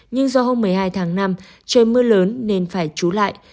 nhưng do hôm một mươi hai tháng năm trời mưa lớn nên phải trú lại